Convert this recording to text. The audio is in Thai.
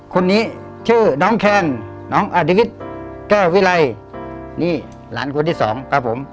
คนนี้ชื่อน้องแคนน้องอธิษแก้ววิไลนี่หลานคนที่สองครับผม